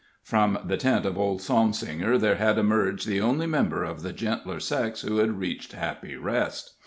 From the tent of old Psalmsinger there had emerged the only member of the gentler sex who had reached Happy Rest.